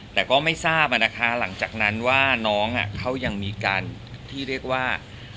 แต่ก็ไม่ทราบนะคะหลังจากนั้นว่าน้องเขายังมีการที่เรียกว่า